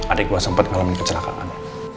adik juga sempat ngalamin kecelakaan